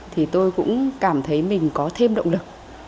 thì tôi cũng cảm thấy mình có thêm động lực